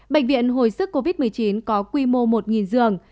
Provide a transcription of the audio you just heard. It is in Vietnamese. bệnh viện hồi sức covid một mươi chín có quy mô một giường